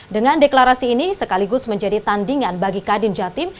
dengan deklarasi ini sekaligus menjadi tandingan bagi kadin jatim